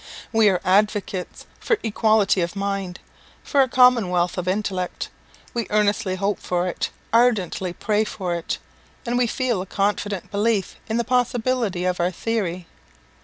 We are advocates for equality of mind for a commonwealth of intellect; we earnestly hope for it, ardently pray for it, and we feel a confident belief in the possibility of our theory.